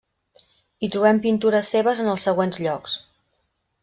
Hi trobem pintures seves en els següents llocs: